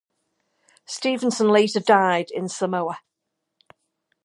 Stevenson later died in Samoa.